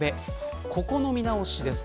ここの見直しです。